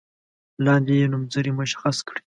لاندې نومځري مشخص کړئ.